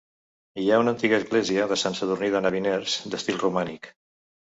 Hi ha una antiga església de Sant Sadurní de Nabiners d'estil romànic.